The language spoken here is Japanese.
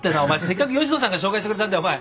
せっかく吉野さんが紹介してくれたんだよお前。